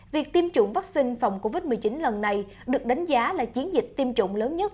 việc tiêm chủng vaccine phòng covid một mươi chín lần này được đánh giá là chiến dịch tiêm chủng lớn nhất